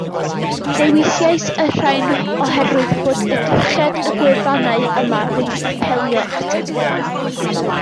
Dewisais y rhain oherwydd bod edrychiad y gwefannau yma wedi apelio ataf